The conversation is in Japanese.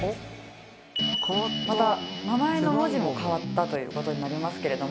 また名前の文字も変わったという事になりますけれども。